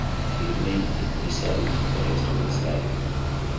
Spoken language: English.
He remained in Wesel for the rest of his life.